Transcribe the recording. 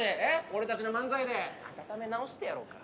俺たちの漫才で温め直してやろうか。